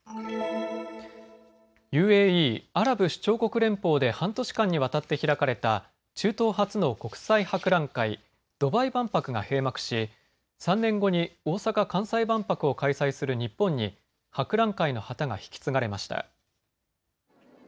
ＵＡＥ・アラブ首長国連邦で半年間にわたって開かれた中東初の国際博覧会、ドバイ万博が閉幕し３年後に大阪・関西万博を開催する日本に博覧会の旗が引き継がれました。